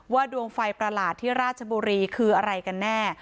ดวงไฟประหลาดที่ราชบุรีคืออะไรกันแน่